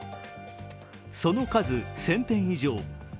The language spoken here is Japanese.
その数、１０００点以上。